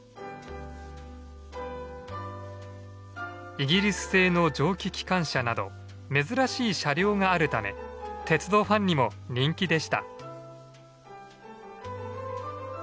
イギリス製の蒸気機関車など珍しい車両があるため鉄道ファンにも人気でした。